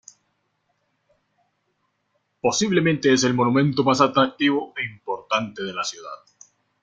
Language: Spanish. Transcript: Posiblemente es el monumento más atractivo e importante de la ciudad.